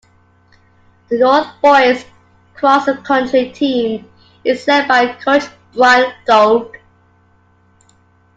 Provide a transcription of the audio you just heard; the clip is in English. The North boys' cross country team is led by coach Brian Gould.